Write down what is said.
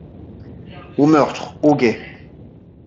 Au meurtre !… au guet !